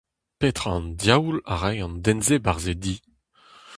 Petra an diaoul a rae an den-se 'barzh e di ?